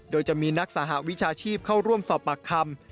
โดยจะมีนักสหวิชาชีพเข้าร่วมสอบปากคำ